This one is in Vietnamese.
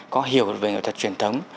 có hiểu về nghệ thuật truyền thống